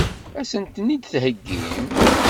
Ad sent-ten-id-theggim?